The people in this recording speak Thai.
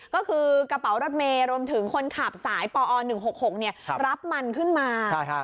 ก็คือกระเป๋ารถเมย์รวมถึงคนขับสายปอ๑๖๖รับมันขึ้นมา